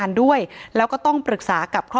ถ้าใครอยากรู้ว่าลุงพลมีโปรแกรมทำอะไรที่ไหนยังไง